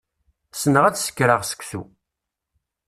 Ssneɣ ad sekreɣ seksu.